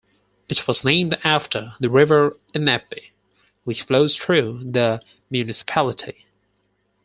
It was named after the river Ennepe, which flows through the municipality.